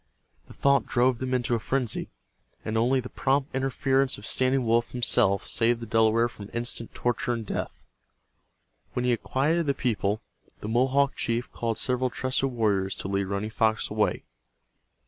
The thought drove them into a frenzy, and only the prompt interference of Standing Wolf himself saved the Delaware from instant torture and death. When he had quieted the people, the Mohawk chief called several trusted warriors to lead Running Fox away.